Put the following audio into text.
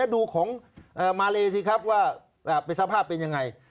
ดูของมาเลสิครับว่าสภาพเป็นอย่างไร